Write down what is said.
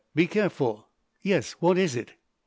"Be careful! Yes, what is it?"